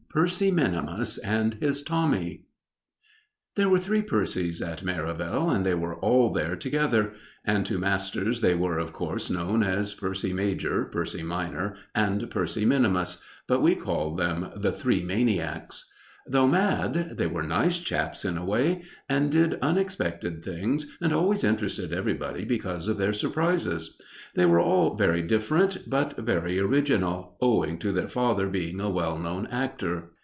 PERCY MINIMUS AND HIS TOMMY There were three Percys at Merivale, and they were all there together; and to masters they were, of course, known as Percy major, Percy minor, and Percy minimus, but we called them "the Three Maniacs." Though mad, they were nice chaps in a way, and did unexpected things and always interested everybody because of their surprises. They were all very different but very original, owing to their father being a well known actor.